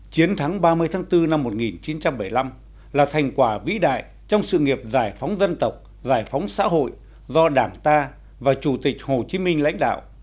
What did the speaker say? chiến thắng ba mươi tháng bốn năm một nghìn chín trăm bảy mươi năm là thành quả vĩ đại trong sự nghiệp giải phóng dân tộc giải phóng xã hội do đảng ta và chủ tịch hồ chí minh lãnh đạo